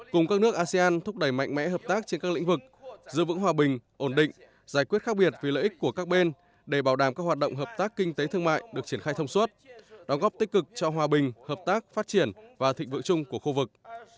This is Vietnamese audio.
cùng các nước asean thúc đẩy mạnh mẽ hợp tác trên các lĩnh vực giữ vững hòa bình ổn định giải quyết khác biệt vì lợi ích của các bên để bảo đảm các hoạt động hợp tác kinh tế thương mại được triển khai thông suốt đóng góp tích cực cho hòa bình hợp tác phát triển và thịnh vượng chung của khu vực